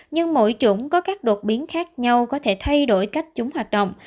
nhưng mỗi chủng có các đột biến khác nhau có thể thay đổi cách chúng hoạt động